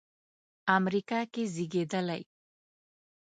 امریکا کې زېږېدلی.